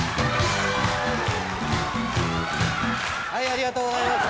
ありがとうございます。